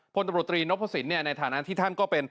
พลตำรวจตรีนพสินในฐานะที่ท่านก็เป็น